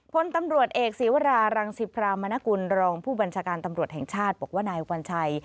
พลตำรวจเอกศีวรารังสิพรามนกุลรองผู้บัญชาการตำรวจแห่งชาติบอกว่านายวัญชัย